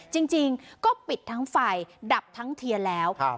จริงจริงก็ปิดทั้งไฟดับทั้งเทียแล้วครับ